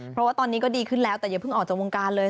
เพราะว่าตอนนี้ก็ดีขึ้นแล้วแต่อย่าเพิ่งออกจากวงการเลย